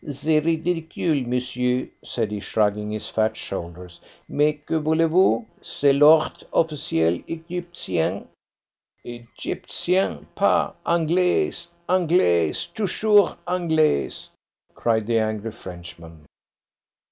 "C'est ridicule, monsieur!" said he, shrugging his fat shoulders. "Mais que voulez vous? C'est l'ordre official Egyptien." "Egyptien! Pah, Anglais, Anglais toujours Anglais!" cried the angry Frenchman.